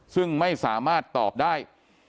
ซึ่งไม่สามารถตอบได้